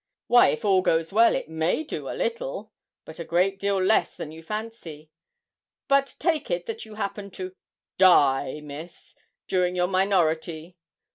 'Why, if all goes well, it may do a little; but a great deal less than you fancy. But take it that you happen to die, Miss, during your minority.